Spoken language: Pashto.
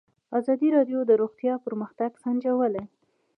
ازادي راډیو د روغتیا پرمختګ سنجولی.